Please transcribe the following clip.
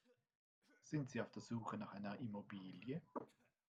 Sind Sie auf der Suche nach einer Immobilie?